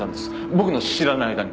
僕の知らない間に。